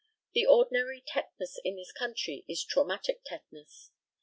The ordinary tetanus in this country is traumatic tetanus.